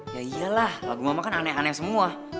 ya iyalah lagu mama kan aneh aneh semua